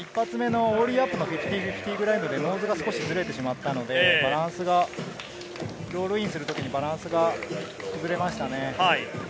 オーリーアップの５４０グラウンドで、ノーズがずれてしまったので、バランスがロールインする時にバランスがずれましたね。